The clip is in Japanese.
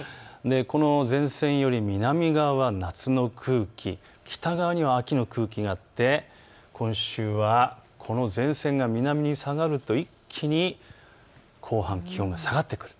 この前線より南側は夏の空気、北側には秋の空気があって、今週はこの前線が南へ下がると一気に後半、気温が下がってくる。